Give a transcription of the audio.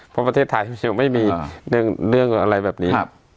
เพราะประเทศไทยไม่มีเรื่องอะไรแบบนี้